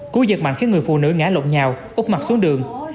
cú giật mạnh khiến người phụ nữ ngã lộn nhau ướp mặt xuống đường